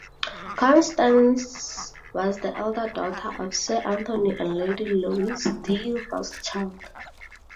Constance was the elder daughter of Sir Anthony and Lady Louise de Rothschild.